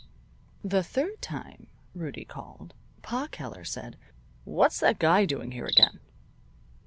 The third time Rudie called, Pa Keller said: "What's that guy doing here again?"